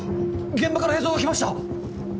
現場から映像が来ました